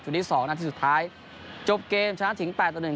จุดที่สองนาทีสุดท้ายจบเกมชนะถึงแปดตัวหนึ่ง